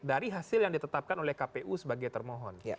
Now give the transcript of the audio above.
dari hasil yang ditetapkan oleh kpu sebagai termohon